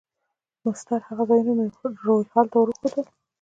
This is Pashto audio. مسطر هغه ځایونه مې روهیال ته ور وښوول.